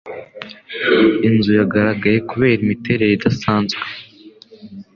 Inzu yagaragaye kubera imiterere idasanzwe.